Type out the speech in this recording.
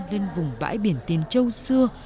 lên vùng bãi biển tiền châu xưa